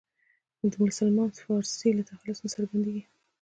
د سلمان فارسي له تخلص نه څرګندېږي.